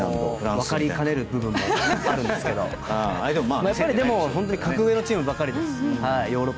分かりかねる部分もありますがでも格上のチームばっかりです。